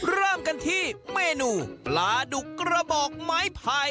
เริ่มกันที่เมนูปลาดุกกระบอกไม้ไผ่